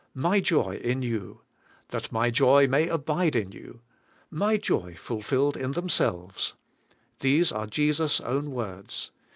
'My joy m you;' 'that 77iy joy msLj abide in you;' 'my joy fulfilled in themselves,' — these are Je sus' own words.